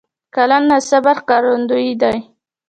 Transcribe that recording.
قلم د صبر ښکارندوی دی